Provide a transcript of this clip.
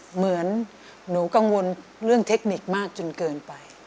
เหมือนหนูกังวลเรื่องเทคนิคมากจนเกินไป